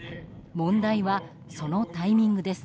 問題は、そのタイミングです。